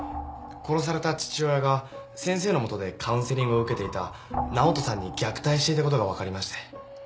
殺された父親が先生のもとでカウンセリングを受けていた直人さんに虐待していたことが分かりまして。